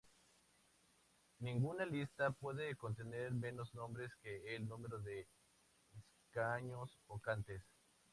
Ninguna lista puede contener menos nombres que el número de escaños vacantes.